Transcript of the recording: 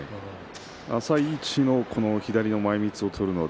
浅い位置の左の前みつを取る。